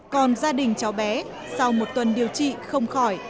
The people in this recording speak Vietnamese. còn gia đình cháu bé sau một tuần điều trị không khỏi